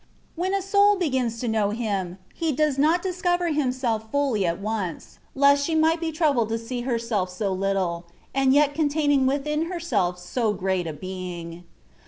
When a soul begins to know Him, He does not discover Himself fully at once, lest she might be troubled to see herself so little, and yet containing within herself so great a being.